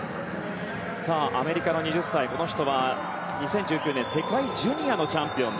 アメリカの２０歳この人は２０１９年の世界ジュニアのチャンピオン。